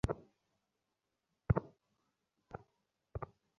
ঘূর্ণিঝড় আইলার আঘাতে নিঃস্ব হওয়া হাজার হাজার দুর্গত মানুষের দিন কাটে এখন বেড়িবাঁধে।